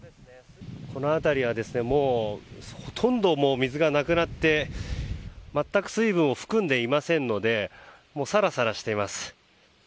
この辺りはもうほとんど水がなくなって全く水分を含んでいませんのでサラサラしています。